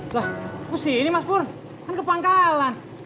loh aku sini mas pun kan ke pangkalan